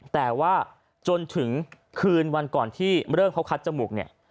แต่ว่าจนถึงคืนวันก่อนที่เริ่มเขาคัดจมูกเนี่ย